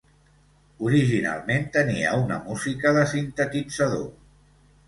Originalment tenia una música de sintetitzador.